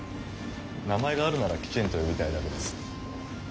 名前があるならきちんと呼びたいだけです。